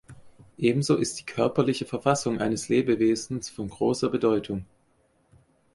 Ebenso ist die körperliche Verfassung eines Lebewesens von großer Bedeutung.